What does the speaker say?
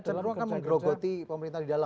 terutama kan menggerogoti pemerintah di dalam gitu